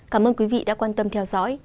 cảm ơn quý vị đã quan tâm theo dõi